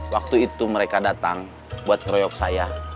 waktu itu mereka datang buat ngeroyok saya